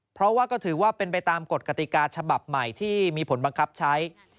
เพราะว่าก็ถือว่าเป็นไปตามกฎกติกาฉบับใหม่ที่มีผลบังคับใช้